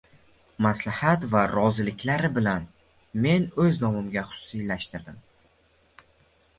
Maslahat va roziliklari bilan men oʻz nomimga xususiylashtirdim.